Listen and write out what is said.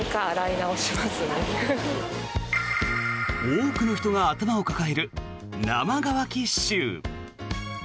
多くの人が頭を抱える生乾き臭。